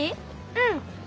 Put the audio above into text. うん。